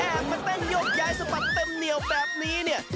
มาเต้นยกย้ายสะบัดเต็มเหนียวแบบนี้เนี่ย